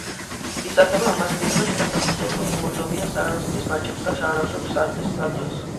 ის ასევე უმასპინძლებს საფეხბურთო კლუბ მორდოვია სარანსკის მატჩებს და ჩაანაცვლებს სტარტის სტადიონს.